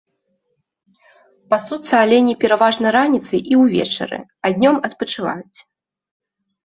Пасуцца алені пераважна раніцай і ўвечары, а днём адпачываюць.